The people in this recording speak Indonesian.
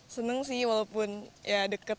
seneng sih walaupun ya deket